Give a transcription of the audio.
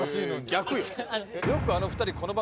逆よ。